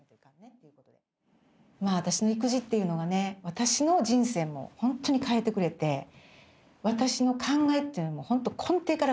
まあ私の育児っていうのはね私の人生もほんとに変えてくれて私の考えっていうのもほんと根底から変えてくれた。